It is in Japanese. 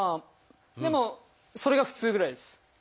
でもそれが普通ぐらいです。